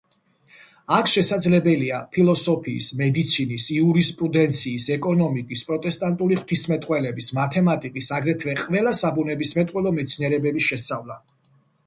აქ შესაძლებელია ფილოსოფიის, მედიცინის, იურისპრუდენციის, ეკონომიკის, პროტესტანტული ღვთისმეტყველების, მათემატიკის, აგრეთვე ყველა საბუნებისმეტყველო მეცნიერების შესწავლა.